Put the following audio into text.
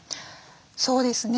そうですね。